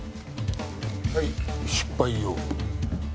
はい失敗用。